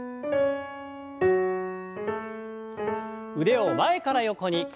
腕を前から横に。